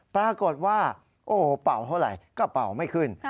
ปรากฏว่าโอ้โหเป่าเท่าไหร่ก็เป่าไม่ขึ้น